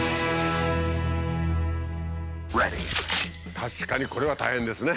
確かにこれは大変ですね。